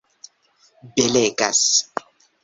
belegas